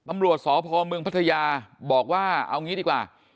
ตำรวจสพเมืองพัทยาบอกว่าเอางี้ดีกว่า